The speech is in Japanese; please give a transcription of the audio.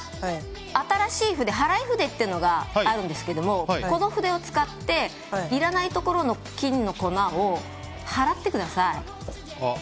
新しい筆、払い筆っていうのがあるんですけどこの筆を使っていらないところの金粉を払ってください。